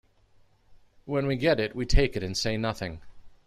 When we get it, we take it and say nothing.